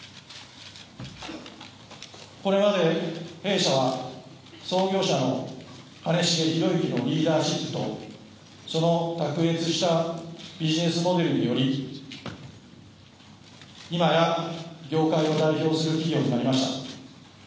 これまで弊社は創業者の兼重宏行のリーダーシップとその卓越したビジネスモデルにより今や業界を代表する企業になりました。